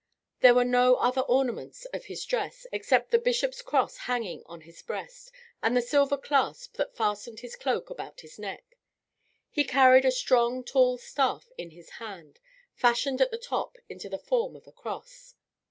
There were no other ornaments of his dress except the bishop's cross hanging on his breast, and the silver clasp that fastened his cloak about his neck. He carried a strong, tall staff in his hand, fashioned at the top into the form of a cross.